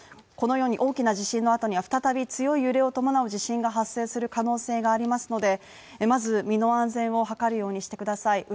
このように大きな地震の後には再び強い揺れを伴う地震が発生する可能性がありますのでまず身の安全を図るようにしてください。